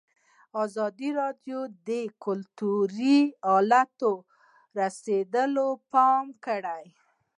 ازادي راډیو د کلتور حالت ته رسېدلي پام کړی.